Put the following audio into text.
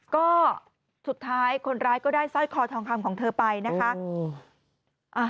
ก็สุดท้ายคนร้ายก็ได้สร้อยคอทองคำของเธอไปนะคะ